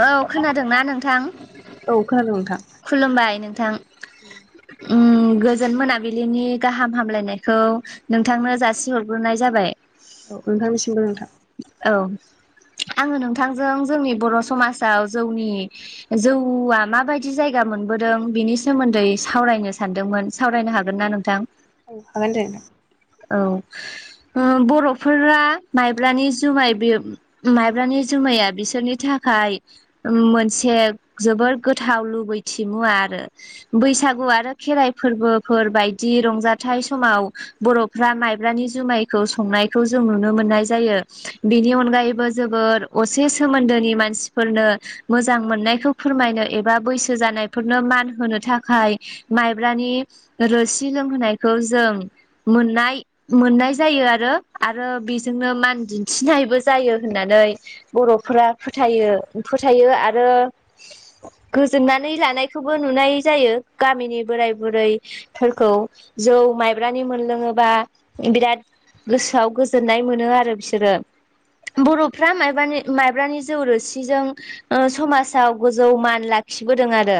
औ खोनादोंना नोंथां। औ खोनादों नोंथां खुलुमबाय नोंथां। ओम गोजोन मोनाबिलिनि गाहाम हामलायनायखौ नोंथांनो जासिहरग्रोनाय जाबाय। औ ओंखारनिसिमबो नोंथां औ आङो नोंथांजों जोंनि बर' समाजाव जौनि जौवआ माबायदि जायगा मोनबोदों बिनि सोमोन्दै सावरायनो सानदोंमोन। सावरायनो हागोन ना नोंथां। औ हागोन दे औ बर'फोरा माइब्रानि जुमाय बे माइब्रानि जुमाया बिसोरनि थाखाय मोनसे जोबोर गोथाव लुबैथि मुवा आरो बैसागु आरो खेराइ फोरबोफोर बायदि रंजाथाइ समाव बर' फ्रा माइब्रानि जुमायखौ संनायखौ जों नुनो मोननाय जायो बेनि अनगायैबो जोबोर असे सोमोन्दोनि मानसिफोरनो मोजां मोननायखौ फोरमायनो एबा बैसो जानायफोरनो मान होनो थाखाय माइब्रानि रोसि लोंहोनायखौ जों मोननाय मोननाय जायो आरो आरो बेजोंनो मान दिन्थिनायबो जायो होननानै बर'फोरा फोथायो फोथायो आरो गोजोननानै लानायखौबो नुनाय जायो गामिनि बोराय बुरै फोरखौ जौ माइब्रानि मोनलों थङोबा बिराद गोसोआव गोजोननाय मोनो आरो बिसोरो बर'फ्रा माइबानि माइब्रानि जौ रोसिजों समाजाव गोजौ मान लाखिबोदों आरो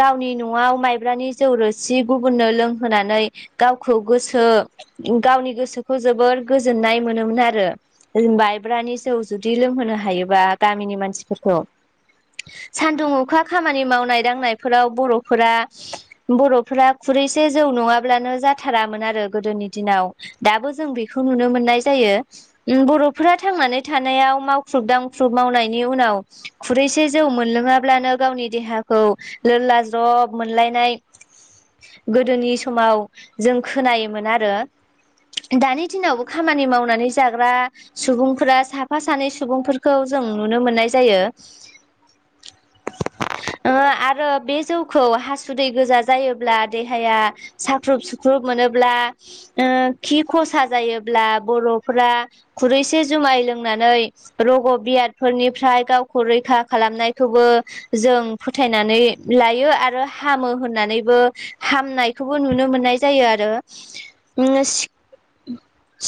गावनि नआव माइब्रानि जौरोसि गुबुननो लोंहोनानै गावखौ गोसो गो गावनि गोसोखौ जोबोर गोजोननाय मोनोमोन आरो ज बाइब्रानि जौ जुदि लोमहोनो हायोबा गामिनि मानसिफोरखौ सान्दुं अखा खामानि मावनाय दांनायफोराव बर'फोरा बर'फ्रा खुरैसे जौ नङाब्लानो जाथारामोन आरो गोदोनि दिनाव दाबो जों बेखौ नुनो मोननाय जायो बर'फोरा थांनानै थानायाव मावख्रुब दांख्रुब मावनायनि उनाव खुरैसे जौ मोनलोङाब्लानो गावनि देहाखौ लोरला ज्रब मोनलायनाय गोदोनि समाव जों खोनायो आरो दानि दिनावबो खामानि मावनानै जाग्रा सुबुंफोरा साफा सानै सुबुंफोरखौ जों नुनो मोननाय जायो ओ आरो बे जौ खौ हासुदै गोजा जायोब्ला देहाया साख्रुब सुख्रुब मोनोब्ला खि खसा जायोब्ला बर'फ्रा खुरैसे जुमाय लोंनानै रग' बियादफोरनिफ्राय गावखौ रैखा खालामनायखौबो जों फोथायनानै लायो आरो हामो होननानैबो हामनायखौबो नुनो मोननाय जायो आरो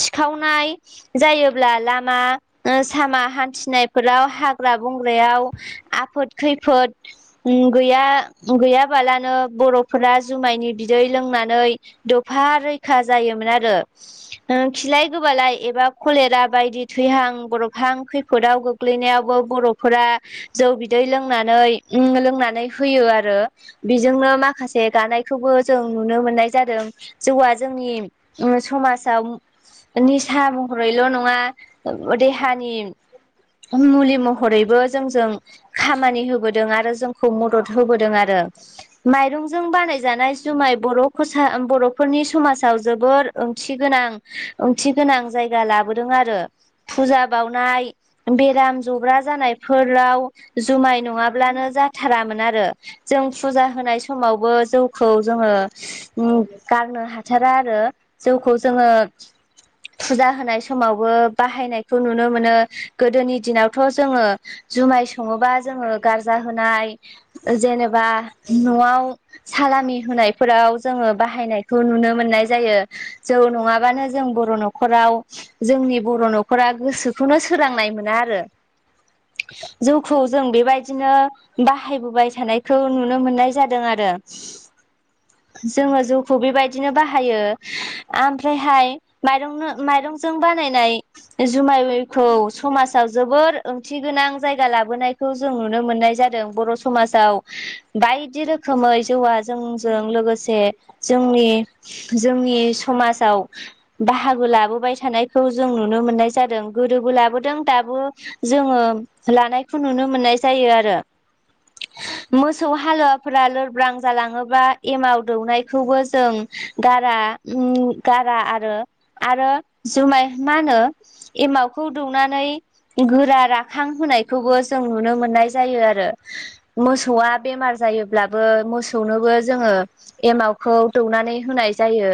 सिखावनाय जायोब्ला लामा सामा हान्थिनायफोराव हाग्रा बंग्रायाव आफोद खैफोद गैया गैयाबालानो बरफोरा जुमायनि बिदै लोंनानै एफा रैखा जायोमोन आरो खिलाय गोबालाय एबा कलेरा बायदि थैहां गरबहां खैफोदाव गो खख्लैनायावबो बर'फोरा जौ बिदै लोंनानै ओं लोंनानै होयो आरो। बेजोंनो माखासे दानायखौबो जों नुनो मोननाय जादों। जौआ जोंनि ओ समाजाव निसा महरैल' नङा देहानि मुलि महरैबो जोंजों खामानि होबोदों आरो जोंखौ मदद होबोदों आरो। माइरंजों बानायजानाय जुमाय बर' खसा बर' फोरनि समाजाव जोबोर ओंथि गोनां ओंथि गोनां जायगा लाबोदों आरो। फुजा बाउनाय बेराम जब्रा जानायफोराव जुमाय नङाब्लानो जाथारामोन आरो। जों फुजा होनाय समावबो जौखौ जोङो उम गारनो हाथारा आरो जौखौ जोङो फुजा होनाय समावबो बाहायनायखौ नुनो मोनो गोदोनि दिनावथ' जोङो जुमाय सङोबा जोङो गारजा होनाय जेनेबा न'आव सालामि होनायफोराव जोङो बाहायनाय बे खौ नुनो मोननाय जायो जौ नङाबानो जों बर' न'खराव जोंनि बर' न'खरा गोसोखौनो सोलांनाय मोना आरो। जौखौ जों बेबायदिनो बाहायबोबाय थानायखौ नुनो मोननाय जादों आरो जोङो जौ खौ बेबायदिनो बाहायो ओमफ्रायहाय माइरंनो माइरंजों बानायनाय जुमायखौ समाजाव जोबोर ओंथि गोनां जायगा लाबोनाय खौ जों नुनो मोननाय जादों बर' समाजाव बायदि रोखोमै जौवया जोंजों लोगोसे जोंनि जोंनि समाजाव बाहागो लाबोबाय थानायखौ जों नुनो मोननाय जादों। गोदोबो लाबोदों दाबो जोङो लानायखौ नुनो मोननाय जायो आरो। मोसौ हालुवाफोरा लोरब्रां जालाङोबा एमाव दौनाय बे खौबो जों गारा ओम गारा आरो। आरो जुमाय मा होनो एमावखौ दौनानै गोरा राखां होनायखौबो जों नुनो मोननाय जायो आरो। मोसौआ बेमार जायोब्लाबो मोसौनोबो जोङो एमाव खौ दौनानै होनाय जायो।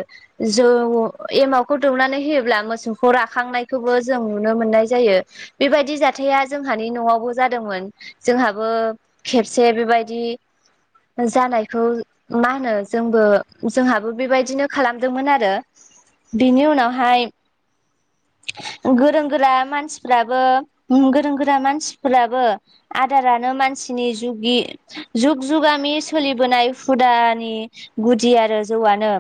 जौ एमावखौ दौनानै होयोब्ला मोसौखौ राखांनायखौबो जों नुनो मोननाय जायो। बेबायदि जाथाया जोंहानि न'आवबो जादोंमोन। जोंहाबो खेबसे बेबायदि जानायखौ मा होनो जोंबो जोंहाबो बेबायदिनो खालामदोंमोन आरो बिनि उनावहाय गोरों गोरा मानसिफोराबो गोरों गोरा मानसिफोराबो आदारानो मानसिनि जुगि जुग जुगामि सोलिबोनाय हुदानि गुदि आरो जौआनो।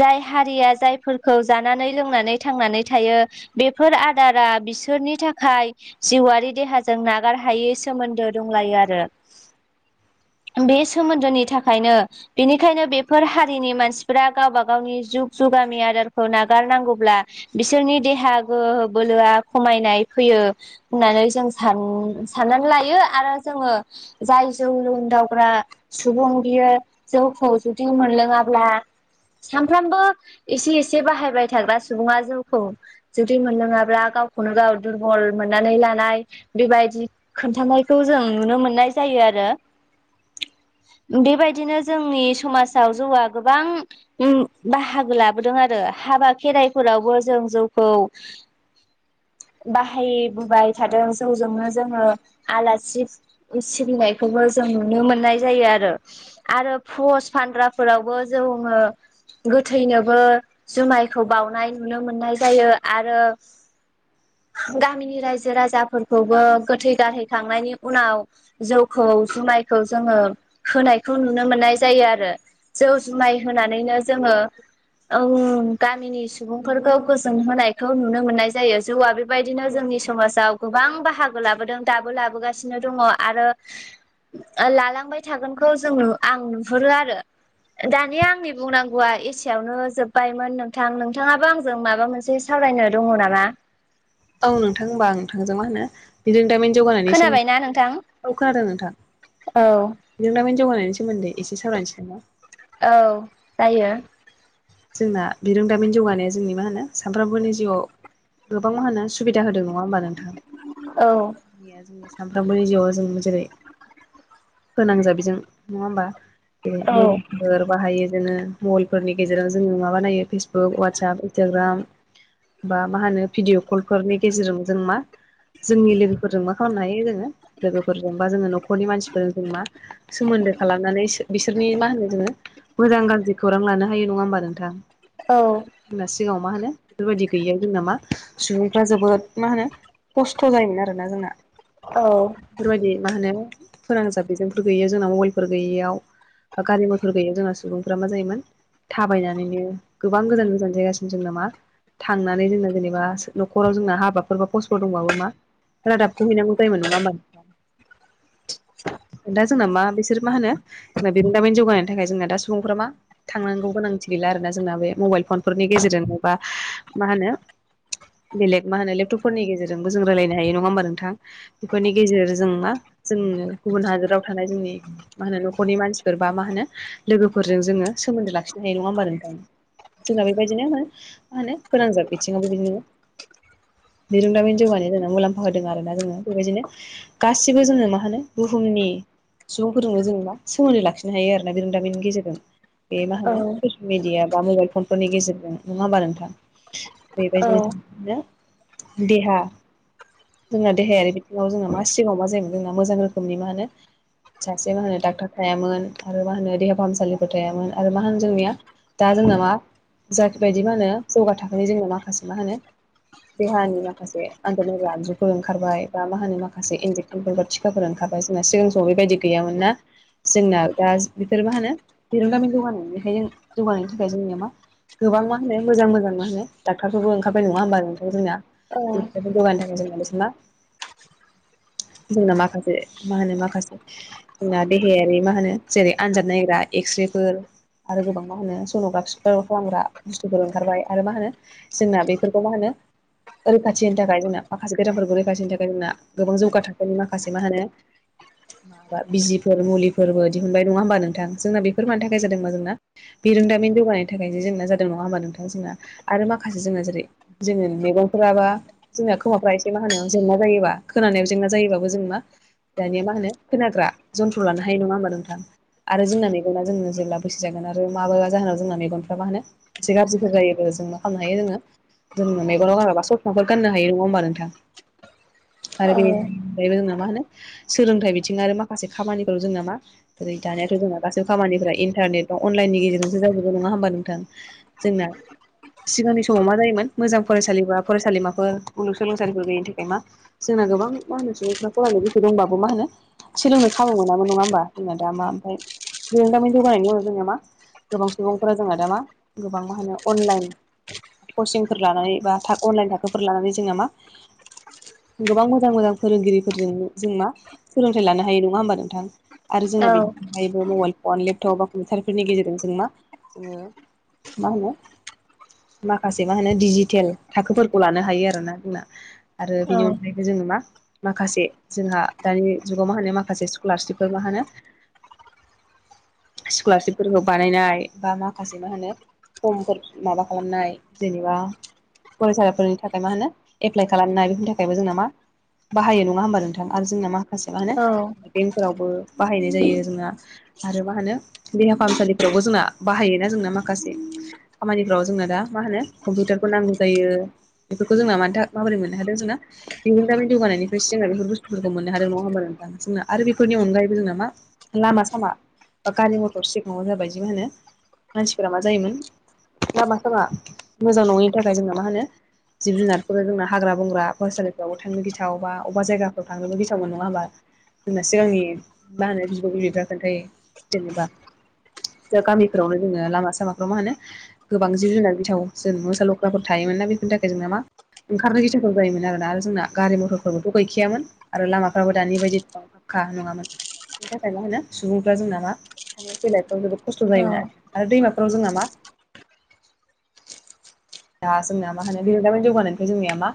जाय हारिया जायफोरखौ जानानै लोंनानै थांनानै थायो बेफोर आदारा बिसोरनि थाखाय जिउआरि देहाजों नागार हायै सोमोन्दो दंलायो आरो। बे सोमोन्दोनि थाखायनो बेनिखायनो बे बेफोर हारिनि मानसिफोरा गावबा गावनि जुग जुगामि आदारखौ नागारनांगौब्ला बिसोरनि देहा गोहो बोलोआ खमायनाय फैयो होननानै जों सान साननानै लायो आरो जोङो जाय जौ लोंदाउग्रा सुबुं बियो जौखौ ज जौ मोनलोङाब्ला सानफ्रामबो एसे एसे बाहायबाय थाग्रा सुबुङा जौखौ जुदि मोनलोङाब्ला गावखौनो गाव दुरबल मोननानै लानाय बेबायदि खोन्थानायखौ जों नुनो मोननाय जायो आरो। बेबायदिनो जोंनि समाजाव जौआ गोबां उम बाहागो लाबोदों आरो हाबा खेराइफोरावबो जों जौखौ बाहायबोबाय थादों जौजोंनो जोङो आलासि सिबिनायखौबो जों नुनो मोननाय जायो आरो आरो फस फानग्रा फोरावबो जोंङो गोथैनोबो जुमायखौ बावउनाय नुनो मोननाय जायो आरो गामिनि रायजो राजाफोरखौबो गोथै गारहैखांनायनि उनाव जौखौ जुमायखौ जोङो खोनायखौ नुनो मोननाय जायो आरो। जौ जुमाय होनानैनो जोङो ओं गामिनि सुबुंफोरखौ गोजोन होनायखौ नुनो मोननाय जायो जौआ बे बेबायदिनो जोंनि समाजाव गोबां बाहागो लाबोदों दाबो लाबोगासिनो दङ आरो लालांबाय थागोनखौ जों आं नुहुरो आरो। दानिया आंनि बुंनांगौआ एसेयावनो जोबबायमोन नोंथां नोंथाङाबो आंजों माबा मोनसे सावरायनो दङ नामा? औ नोंथां होमबा आं नोंथांजों मा होनो बिदि दामिन जौगानायनि खोनाबायना नोंथां सोमोन्दै औ खोनादों नोंथां। औ बिरोंदामिन जौगानायनि सोमोन्दै एसे सावरायनोसै नामा औ जायो। जोंना बिरोंदामिन जौगानाया जोंनि मा होनो सानफ्रोमबोनि जिउआव गोबां मा होनो सु सुबिदा होदों नङा होमबा नोंथां औ सामफ्रोमबोनि जिउआव जोंनो जेरै फोनांजाब बेजों नङा होमबा जेरै औ मबाइलफोर बाहायो जनो मबाइलफोरनि गेज जेराव जोङो माबा नायो फेसबुक वाटसएप इन्स्टाग्राम। बा मा होनो भिडिअ कलफोरनि गेजेरजों जों मा जोंनि लोगोफोरजों मा खालामनो हायो जोङो लोगोफोरजों बा जोङो न'खरनि मानसिफोरजों जों मा सोमोन्दो खालामनानै बिस बिसोरनि मा होनो जोङो मोजां गाज्रि खौरां लानो हायो नङा होमबा नोंथां? औ जोंना सिगाङाव मा होनो बेफोरबायदि गैयायाव जोंना मा सुबुंफ्रा जोबोद मा होनो खस्थ' जायोमोन आरो ना जोंना। औ बेफोरबायदि मा होनो फोनांजाब बेजोंफोर गैयियाव जोंनााव मबाइलफोर गैयियाव बा गारि मथर गैयया जोंना सुबुंफोरा मा जायोमोन थाबायनानैनो गोबां गोजान गोजान जायगासिनो जों ना मा थांनानै जोंना जेनेबा न'खराव जोंना हाबाफोर बा खस्फोर दंबाबो मा रादाबखौ हैनांगौ जायोन नङा होमबा नोंथां? [inaudible] दा जोंना मा बिसोर मा होनो जोंना बिरोंदामिन जौगानायनि थाखाय जोंना दा सुबुंफोरा मा थांनांगौ गोनांथि गैला आरोना जोंना बे मबाइल फनफोरनि गेजेरजोंनो बा मा होनो बेलेग मा होनो लेपटपफोरनि गेजेरजोंबो जों रायलायनो हायो नङा होमबा नोंथां? बेफोरनि गेजेरजों ना जों गुबुन हादोराव थानाय जोंनि मा होनो न'खरनि मानसिफोर बा मा होनो लोगोफोरजों जोङो सोमोन्दो लाखिनो होननाय नङा होमबा नोंथां जोंना बेबायदिनो मा मा होनो फोनांजाब बिथिङाव बेबायदिनो बिरोंदामिन जौगानि जोंना मुलाम्फा होदों आरो ना जोंनो बेबायदिनो गासिबो जोङो मा होनो बुहुमनि सुबुंफोरजोंनो जेनेबा सोमोनदो लाखिनो हायो आरो ना बिरोंदामिननि गेजेरजों। बे मा औ होनो ससिल मिडिया बा मबाइल फनफोरनि गेजेरजों नङा होमबा नोंथां औ बेबायदिनो आरो‌ दहा जोंना देहायारि बिथिङाव जोंङो मा सिगाङाव मा जायोमोन जोंना मोजां रोखोमनि मा होनो सासे मा होनो डाक्टार थायामोन आरो मा होनो देहा फाहामसालिफोर थायामोन आरो मा होनो जोंनिया दा जोंना मा जायखि बायदि मा होनो जौगा थाखोनि जोंना माखासे मा होनो देहानि माखासे आदोनायग्रा आगजुफोर ओंखारबाय बा होनो माखासे इनजे [unintelligible] टिकाफोर ओंखाबाय जोंना सिगां समाव बेबायदि गैयामोन ना जोंना दा बेफोर मा होनो दिरुंगामिनि जौगानाय बेखाय जौगानायनि थाखाय जोंनिया मा गोबां मा होनो मोजां मोजां मा होनो डक्टरफोरबो ओंखारबाय नङा होमबा नोंथां जोंना [unintelligible] जोंना माखासे मा होनो माखासे जोंना देहायारि मा होनो जेरै आनजाद नायग्रा एक्सरे फोर आरो गोबां मा होनो सन'ग्राफिफोर खालामग्रा बुस्थुफोर ओंखारबाय आरो मा होनो जोंना बेफोरखौ मा होनो रैखाथिनि थाखाय जोंना माखासे गेरामफोरखौ रैखाथिनि थाखाय जोंना गोबां जौगा थाखनि माखासे मा होनो द माबा बिजिफोर मुलिफोरबो दिहुनबाय नङा होमबा नोंथां जोंना बेफोर मानि थाखाय जादों होनबा जों ना बिरोंदामिन जौगानाय थाखाय जोंना जादों नङा होमबा नोंथां जोंना आरो माखासे जोंना जेरै जोङो मैगंफोराबा जोंना खोमाफ्रा एसे मा होनोनाव जेंना जायोबा खोनानायाव जेंना जायोबाबो जों मा दानिया मा होनो खोनाग्रा जन्थ्र' लानो हायो नङा होमबा नोंथां आरो जोंना मेगना जोंनो जेब्ला [unintelligible] माबा जाहोनाव जोंना मेगनफ्रा मा होनो एसे गाज्रिफोर जायोबो जों मा खालामनो हायो जोङो जों मेगनाव गानबा ससमाफोर गानो हायो नङा होमबा नोंथां। आरो बे [unintelligible] मा होनो सोलोंथाइ बिथिं आरो माखासे खामानिफोराव जोंना मा ओरै दानियाथ' जोंना गासैबो खामानिफोरा इन्टारनेट बा अनलाइननि गेजेरजोंसो जाजोबगौ नङा होमबा नोंथां जोंना सिगांनि समाव मा जायोमोन मोजां फरायसालि बा फरायसालिमाफोर मुलुगसोलोंसालिफोर गैयनि थाखाय मा जोंना गोबां मा होनो सुबुंफ्रा फरायनाय गोसो दंबाबो मा होनो सोलोंनो खाबु मोनामोन नङा होमबा जोंना दा मा ओमफाय बिरोंदामिन जौगानायनि उनाव जोंडो मा गोबां सुबुंफोरा जोंहा दा मा गोबां मा होनो अनलाइन कचिंफोर लानानै बा थाख अनलाइन थाखोफोर लानानै जोंङो मा गोबां मोजां मोजां फोरोंगिरिफोरजों जों मा सोलोंथाइ लानो हायो नङा होमबा नोंथां? आरो जोंना बेनियैबो मबाइल फन लेपटप बा कम्पिउटारफोरनि गेजेरजों जों मा जोङो मा होनो माखासे मा होनो डिजिटेल थाखोफोरखौ लानो हायो आरोना जोंना आरो बेनि अनगायै जोङो मा माखासे जोंहा दानि जुगाव मा होनो माखासे स्कलारशिपफोर मा होनो स्कलारशिपफोरखौ बानायनाय बा माखासे मा होनो समफोर माबा खालामनाय जेनेबा फरायसाफोरनि थाखाय मा होनो एप्लाइ खालामनाय बेफोरनि थाखायबो जोंना मा बाहायो नङा होमबा नोंथां आरो जोंना मा माखासे मा होनो औ बेंकफोरावबो बाहायनाय जायो जोंना आरो मा होनो देहा फाहामसालिफ्रावबो जोंना बाहायोना जोंना माखासे खामानिफ्राव जोंनो दा मा होनो कम्पिउटारफोर नांगौ जायो। बेफोरखौ जोंना मानोथा माबोरै मोननो हादों जोंना बिरोंदामिन जौगानायनिफ्रायसो जोंना बेफोर बुस्थुफोरखौ मोननो हादों नङा होमबा नोंथां जोंना आरो बेनि अनगायैबो जोंना मा लामा सामा बा गारि मथर सिगाङाव जाबायदि मा होनो मानसिफोरा मा जायोमोन लामा सामा मोजां नङिनि थाखाय जोंना मा होनो जिब जुनारफोर जोंना हाग्रा बंग्रा फरायसालिफ्रावबो थांनो गिथाव बा अबा जायगाफ्राव थांनोबो गिथाव मोन नङा होमबा? होनना सिगांनि मा होनो बिब' बिबैफ्रा खोन्थायो जेनेबा दा गामिफोरावनो जोङो लामा सामाफ्राव मा होनो गोबां जिब जुनार बिथाव जों मोसा लख्राफोर थायोमोन ना बेफोरनि थाखाय जोंना मा ओंखारनो गिथावथाव जायोमोन आरोना आरो जोंना गारि मथरफोरबोथ' गैखायामोन आरो लामाफ्राबो दानि बायदि नं फाक्खा नङामोन बेनि थाखाय मा होनो सुबुंफ्रा जोंना मा थांलायैलायफ्राव जोबोद खस्थ' औ जायोमोन आरो आरो दैमाफोराव जोंना मा दा जोंनाया मा होनो बिरगामिन जौगानायनिफ्राय जोंनिया मा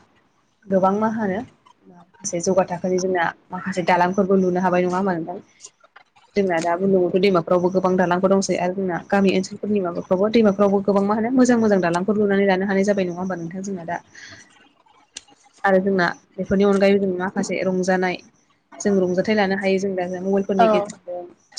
गोबां मा होनो माखासे जौगा थाखोनि जोंना माखासे दालांफोरबो लुनो हाबाय नङा होबा नोथां? [inaudible] जोंना दा बुंलुंबुथुर दैमाफ्रावबो गोबां दानांगौ दंसै आरो जोंना गामि ओनसोलफोरनि माबाफ्रावबो दैमाफ्रावबो गोबां मा होनो मोजां मोजां दालांफोर लुनानै लानो हानाय जाबाय नङा होमबा नोंथां जोंना दा आरो जोंना बेफोरनि अनगायैबो जों माखासे रंजानाय जों रंजाथाइ लानो हायो जों दा मबाइलफोरनि औ गेजेरजों टि